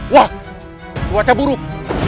wah kuatnya buruk